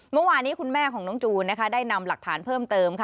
เมื่อวานนี้คุณแม่ของน้องจูนนะคะได้นำหลักฐานเพิ่มเติมค่ะ